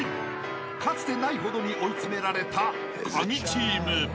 ［かつてないほどに追い詰められたカギチーム］